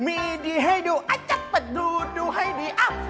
มีอีดีให้ดูอ๊ะจ๊ะแต่ดูดูให้ดีอ๊ะ